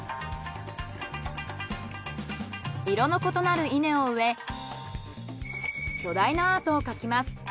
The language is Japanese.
色の異なる稲を植え巨大なアートを描きます。